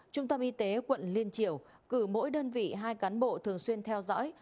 trung tâm y tế quận liên triều cử mỗi đơn vị hai cán bộ thường xuyên theo dõi